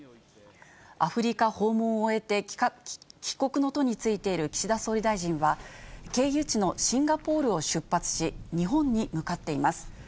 アフリカ訪問を終えて、帰国の途に就いている岸田総理大臣は、経由地のシンガポールを出発し、日本に向かっています。